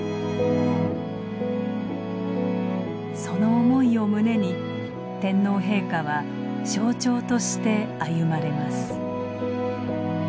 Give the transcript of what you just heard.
その思いを胸に天皇陛下は象徴として歩まれます。